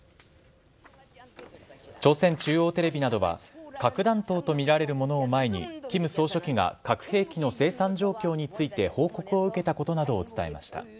朝鮮中央テレビなどは、核弾頭と見られるものを前に、キム総書記が核兵器の生産状況について報告を受けたことなどを伝えました。